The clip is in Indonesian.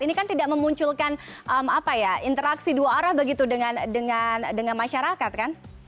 ini kan tidak memunculkan interaksi dua arah begitu dengan masyarakat kan